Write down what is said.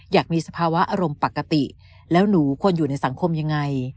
อยากมีสภาวะอารมณ์ปกติแล้วหนูควรอยู่ในสังคมยังไง